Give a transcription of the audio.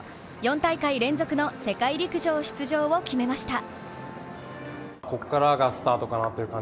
４大会連続の世界陸上出場を決めました。